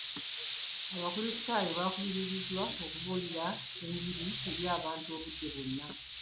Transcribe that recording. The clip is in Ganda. Abakulisitaayo bakubirizibwa okubuulira engiri eri abantu obudde bwonna.